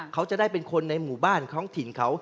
เขาจะได้เป็นคนในหมู่บ้านท้องถิ่นเขา